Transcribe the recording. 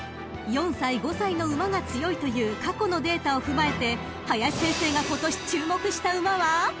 ［４歳５歳の馬が強いという過去のデータを踏まえて林先生が今年注目した馬は？］